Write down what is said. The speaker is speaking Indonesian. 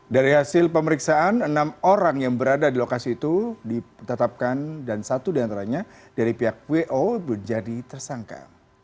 dari hasil pemeriksaan enam orang yang berada di lokasi itu ditetapkan dan satu diantaranya dari pihak wo menjadi tersangka